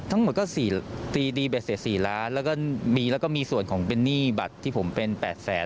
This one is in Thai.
ทั้งหมดก็๔ที๔ล้านแล้วก็มีส่วนของเป็นหนี้บัตรที่ผมเป็น๘แสน